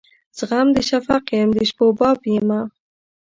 زخم د شفق یم د شپو باب یمه